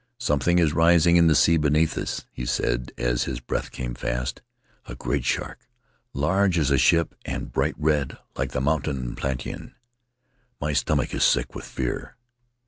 'Something is rising in the sea beneath us,' he said as his breath came fast — 'a great shark large as a ship and bright red like the mountain plantain. My stomach is sick with fear.'